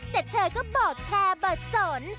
แต่เธอก็บอกแค่บทสน